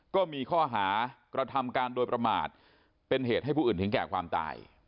ก็มีข้อหากระทำการโดยประมาทเป็นเหตุให้ผู้อื่นถึงแก่ความตาย